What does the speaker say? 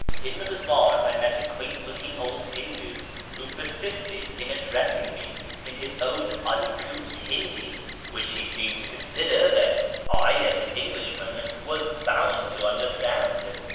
In the bazaars I met a quaint looking old Hindoo, who persisted in addressing me in his own uncouth Hindi, which he seemed to consider that I as an Englishman was bound to understand.